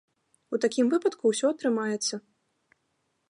У такім выпадку ўсё атрымаецца.